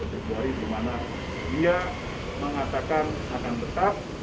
di dua puluh satu februari di mana dia mengatakan akan tetap